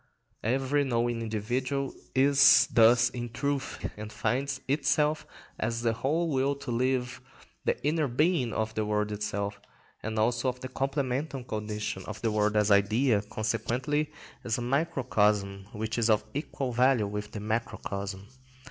Every knowing individual is thus in truth, and finds itself as the whole will to live, or the inner being of the world itself, and also as the complemental condition of the world as idea, consequently as a microcosm which is of equal value with the macrocosm.